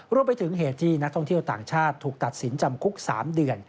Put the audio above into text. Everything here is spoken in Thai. รวมไปถึงเหตุที่นักท่องเที่ยวต่างชาติถูกตัดสินจำคุก๓เดือน